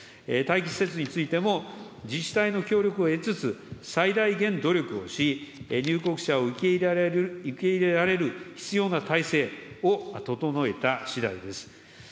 待機施設についても、自治体の協力を得つつ、最大限努力をし、入国者を受け入れられる必要な体制を整えたしだいです。